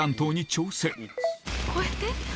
こうやって？